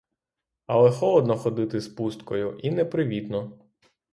Але холодно ходити з пусткою і непривітно.